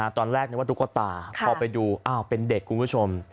ตอนแรกนึกว่าลูกกุ๊บต่าเข้าไปดูอ้าวเป็นเด็กรู้ชม